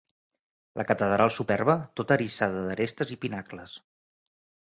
La Catedral superba, tota eriçada d'arestes i pinacles